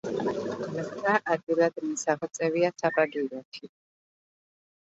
მთა ადვილად მისაღწევია საბაგიროთი.